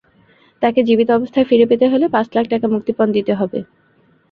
তাকে জীবিত অবস্থায় ফিরে পেতে হলে পাঁচ লাখ টাকামুক্তিপণ দিতে হবে।